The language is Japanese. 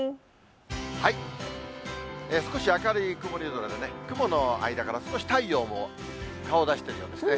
少し明るい曇り空でね、雲の間から少し太陽も顔を出してるようですね。